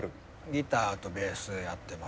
ギターとベースやってました。